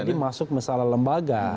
menjadi masuk masalah lembaga